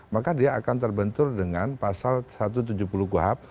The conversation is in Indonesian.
maka dia akan terbentur dengan pasal satu ratus tujuh puluh kuhap